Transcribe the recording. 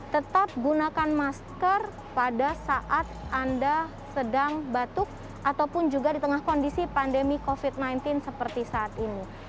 tetap gunakan masker pada saat anda sedang batuk ataupun juga di tengah kondisi pandemi covid sembilan belas seperti saat ini